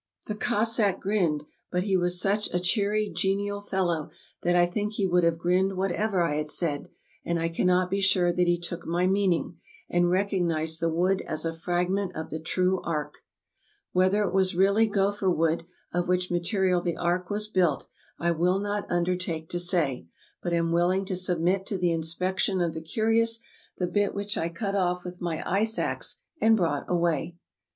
The Cossack grinned; but he was such a cheery, genial fellow that I think he would have grinned whatever I had said, and I cannot be sure that he took my meaning, and recognized the wood as a fragment of the true Ark. Whether it was really gopher wood, of which ma terial the Ark was built, I will not undertake to say, but am willing to submit to the inspection of the curious the bit which I cut off with my ice ax and brought away.